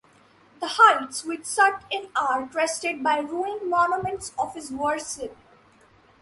The heights which shut it in are crested by ruined monuments of his worship.